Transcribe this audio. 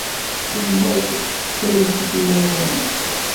Tesselmed tarusit i warraw-nnes.